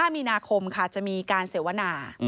มีนาคมค่ะจะมีการเสวนา